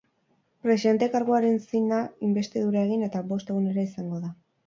Presidente karguaren zina inbestidura egin eta bost egunera izango da.